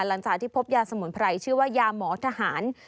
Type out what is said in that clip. หลังจากที่พบยาสมุนไพรชื่อว่ายาหมอทหาร